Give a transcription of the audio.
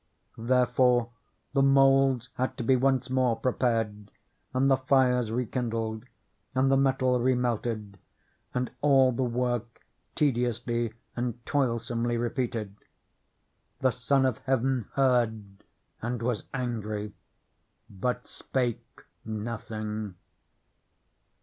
Therefore the moulds had to be once more prepared, and the fires rekindled, and the metal remelted, and all the work tediously and toilsomely repeated. The Son of Heaven heard, and was angry, but spake nothing.